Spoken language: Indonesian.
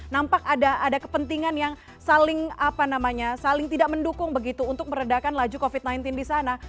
nampak ada kepentingan yang saling tidak mendukung begitu untuk meredakan laju covid sembilan belas di sana